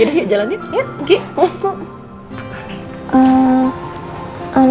yaudah ya jalanin